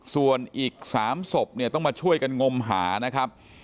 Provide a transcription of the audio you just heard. ส่วนอีก๓ศพเนี่ยต้องมาช่วยกันงมหานะครับ